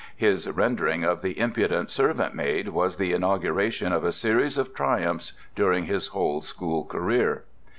His rendering of the impudent servant maid was the inauguration of a series of triumphs during his whole school career."